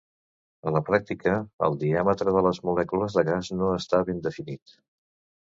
A la pràctica, el diàmetre de les molècules de gas no està ben definit.